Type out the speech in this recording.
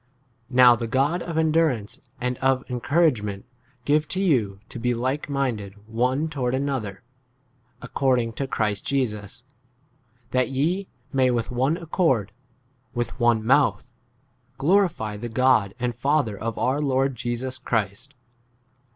Now the God of endurance and of encourage ment give to you to be like minded one toward another, according to 6 Christ Jesus ; that ye may with one accord, with one mouth, glorify the God and Father of our Lord 7 Jesus Christ.